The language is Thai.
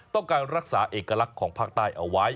ต้องการรักษาเอกลักษณ์ของภาคใต้เอาไว้